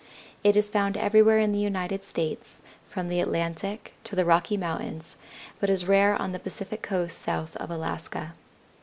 It is found everywhere in the United States, from the Atlantic to the Rocky Mountains, but is rare on the Pacific coast south of Alaska.